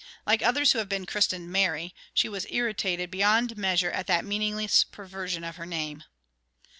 Like others who have been christened "Mary," she was irritated beyond measure at that meaningless perversion of her name.